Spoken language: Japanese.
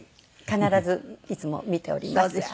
必ずいつも見ております。